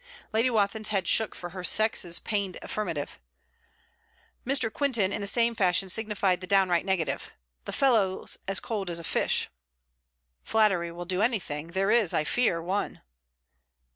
Lady Wathin's head shook for her sex's pained affirmative. Mr. Quintin in the same fashion signified the downright negative. 'The fellow's as cold as a fish.' 'Flattery will do anything. There is, I fear, one.'